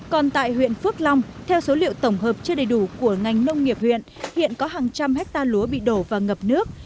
còn tại huyện phước long theo số liệu tổng hợp chưa đầy đủ của ngành nông nghiệp huyện hiện có hàng trăm hectare lúa bị đổ và ngập nước